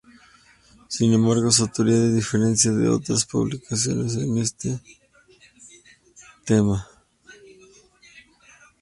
Sin embargo, su teoría se diferencia de otras publicaciones en este tema.